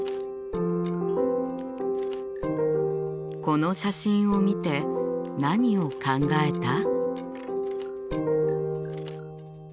この写真を見て何を考えた？